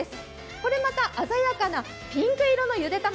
これまた鮮やかなピンク色のゆで卵。